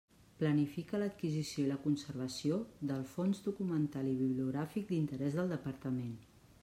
Planifica l'adquisició i la conservació del fons documental i bibliogràfic d'interès del Departament.